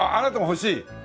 欲しい。